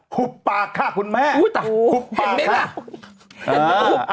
หุบปากค่ะคุณแม่หุบปากค่ะ